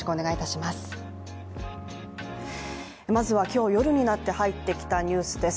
まずは今日夜になって入ってきたニュースです。